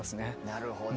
なるほど。